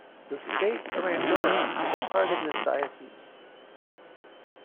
The state of Andorra is a part of this diocese.